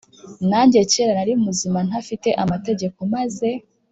Nanjye kera nari muzima ntafite amategeko maze